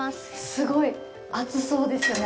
すごい暑そうですよね。